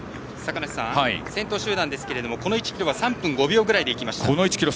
先頭集団ですがこの位置３分５秒くらいで行きました。